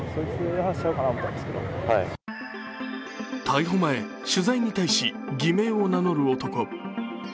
逮捕前、取材に対し偽名を名乗る男。